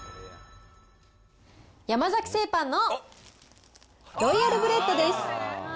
山崎製パンのロイヤルブレッドです。